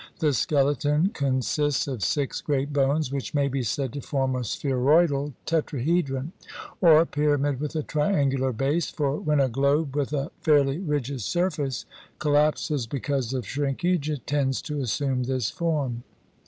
The skeleton consists of six great bones, which may be said to form a spheroidal tetrahedron, or pyramid with a triangular base, for when a globe with a fairly rigid surface collapses because of shrinkage, it tends to assume this form.